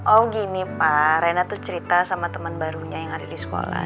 oh gini pak rena tuh cerita sama teman barunya yang ada di sekolah